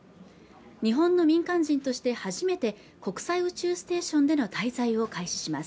日本の民間人として初めて国際宇宙ステーションでの滞在を開始します